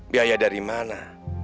biaya dari mana